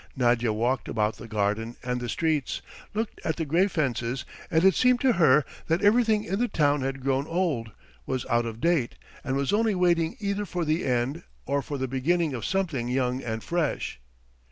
Nadya walked about the garden and the streets, looked at the grey fences, and it seemed to her that everything in the town had grown old, was out of date and was only waiting either for the end, or for the beginning of something young and fresh.